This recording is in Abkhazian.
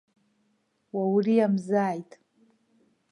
Уауриамзааит.